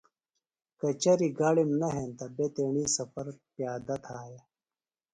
کچریۡ گاڑِم نہ ہینتہ بےۡ تیݨی سفر پیادہ تھایہ۔